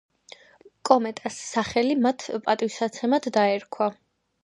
კომეტას სახელი მათ პატივსაცემად დაერქვა.